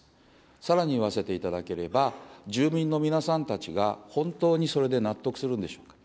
さらに言わせていただければ、住民の皆さんたちが本当にそれで納得するんでしょうか。